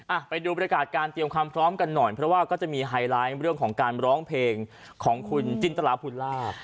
อ่ะไปดูบริการการเตรียมความพร้อมกันหน่อยเพราะว่าก็จะมีไฮไลท์เรื่องของการร้องเพลงของคุณจินตราภูลาภ